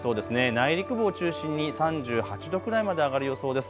内陸部を中心に３８度くらいまで上がる予想です。